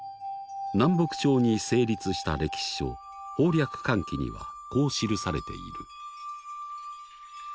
南北朝に成立した歴史書「保暦間記」にはこう記されている。